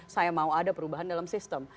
saya mau ada perubahan dalam sistem